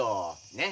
ねっ。